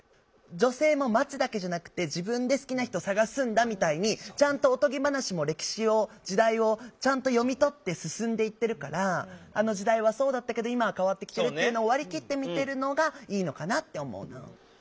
女性も待つだけじゃなくて自分で好きな人を探すんだみたいにおとぎ話も歴史を時代をちゃんと読み取って進んでいってるからあの時代はそうだったけど今は変わってきてるっていうのを割り切って見てるのがいいのかなって思うなぁ。